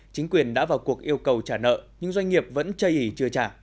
chính quyền đã vào cuộc yêu cầu trả nợ nhưng doanh nghiệp vẫn chây ý chưa trả